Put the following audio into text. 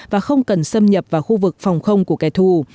và không cần xâm nhập vào khu vực phòng không của kẻ thù